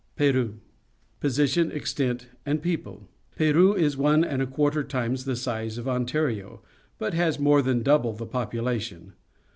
PERU Position, Extent, and People. — Peru is one and a quarter times the size of Ontario, but has more than double the population.